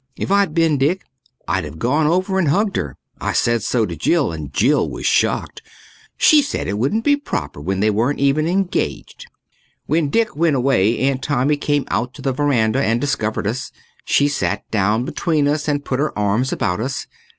If I'd been Dick I'd have gone over and hugged her. I said so to Jill and Jill was shocked. She said it wouldn't be proper when they weren't even engaged. When Dick went away Aunt Tommy came out to the verandah and discovered us. She sat down between us and put her arms about us.